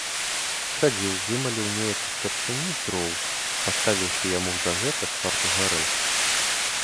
Схадзіў, вымаліў неяк у старшыні дроў, паставіўшы яму за гэта кварту гарэлкі.